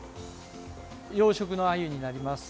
養殖のアユになります。